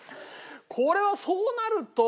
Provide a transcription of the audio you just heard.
これはそうなると。